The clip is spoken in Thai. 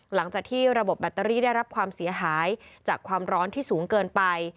หลังจากที่ระบบแบตเตอรี่ได้รับความเสียหายจากความร้อนที่สูงเกินไป